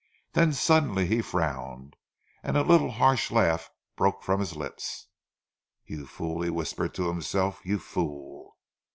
Then suddenly he frowned, and a little harsh laugh broke from his lips. "You fool!" he whispered to himself. "You fool!"